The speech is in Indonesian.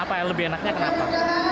apa yang lebih enaknya kenapa